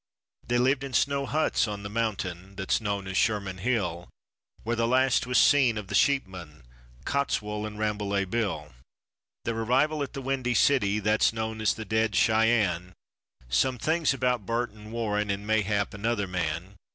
They lived in snow huts on the mountain that's known as Sherman Hill, Where the last was seen of the sheepmen, Cottswool and Rambolet Bill; Their arrival at the Windy City that's known as the dead Shyann, Some things about Burt and Warren and mayhap another man.